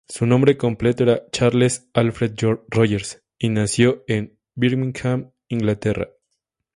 Su nombre completo era Charles Alfred Rogers, y nació en Birmingham, Inglaterra.